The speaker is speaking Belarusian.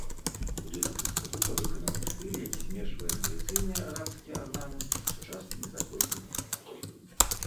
Будынак інстытута выкананы ў стылі, які змешвае традыцыйныя арабскія арнаменты з сучаснымі заходнімі тэхналогіямі.